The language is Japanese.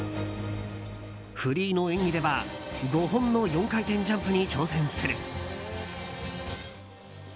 フリーの演技では５本の４回転ジャンプに挑戦する。